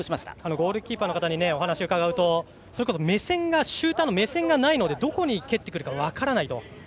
ゴールキーパーの方にお話を伺うとそれこそシューターの目線がないのでどこに蹴ってくるか分からないと。